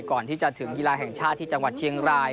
ก่อนที่จะถึงกีฬาแห่งชาติที่จังหวัดเชียงราย